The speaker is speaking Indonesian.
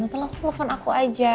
tante langsung telepon aku aja